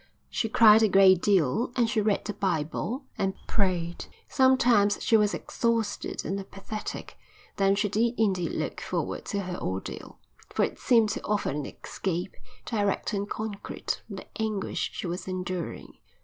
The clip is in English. She cried a great deal, and she read the Bible, and prayed. Sometimes she was exhausted and apathetic. Then she did indeed look forward to her ordeal, for it seemed to offer an escape, direct and concrete, from the anguish she was enduring.